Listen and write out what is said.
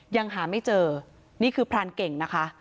ยังหาไม่เจอนี่คือพรานเก่งนะคะ